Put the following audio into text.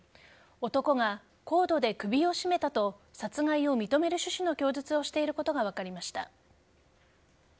男がコードで首を絞めたと、殺害を認める趣旨の供述をしていることが分かりました。